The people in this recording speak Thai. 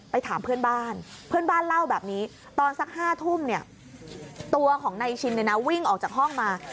ถามเพื่อนบ้านเพื่อนบ้านเล่าแบบนี้ตอนสัก๕ทุ่มเนี่ยตัวของนายชินเนี่ยนะวิ่งออกจากห้องมา